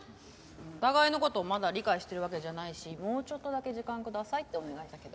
お互いの事をまだ理解してるわけじゃないしもうちょっとだけ時間くださいってお願いしたけど。